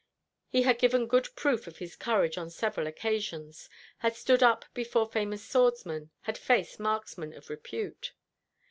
He had given good proof of his courage on several occasions, had stood up before famous swordsmen, had faced marksmen of repute.